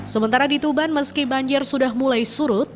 sementara dituban meski banjir sudah mulai surut